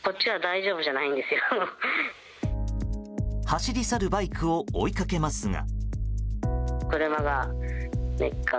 走り去るバイクを追いかけますが。